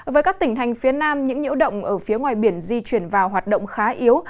với các tỉnh thành phía nam những nhiễu động ở phía ngoài biển di chuyển vào hoạt động khá yếu